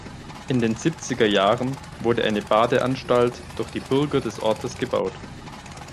In den siebziger Jahren wurde eine Badeanstalt durch die Bürger des Ortes gebaut.